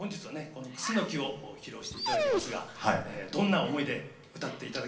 この「クスノキ」を披露していただきますがどんな思いで歌っていただけますか？